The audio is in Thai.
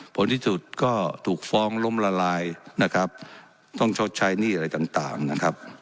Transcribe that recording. ผลที่สุดก็ถูกฟ้องล้มละลายนะครับต้องชดใช้หนี้อะไรต่างนะครับ